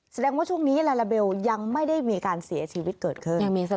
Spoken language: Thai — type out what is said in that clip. แสดงว่าช่วงนี้ลาลาเบลยังไม่ได้มีการเสียชีวิตเกิดขึ้น